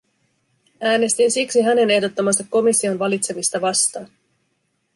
Äänestin siksi hänen ehdottamansa komission valitsemista vastaan.